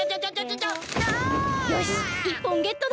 よし１ぽんゲットだ。